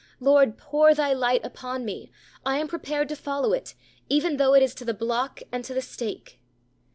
Lord, pour Thy light upon me. I am prepared to follow it, even though it is to the block and to the stake."